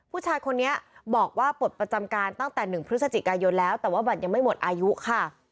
ผู้ชายคนนี้บอกว่าปลดประจำการตั้งแต่๑พฤศจิกายนแล้วแต่ว่าบัตรยังไม่หมดอายุค่ะ